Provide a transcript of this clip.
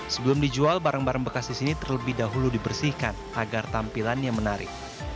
sebelum dijual barang barang bekas di sini terlebih dahulu dibersihkan agar tampilannya menarik